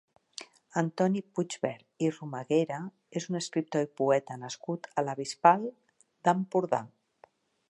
Antoni Puigvert i Romaguera és un escriptor i poeta nascut a la Bisbal d'Empordà.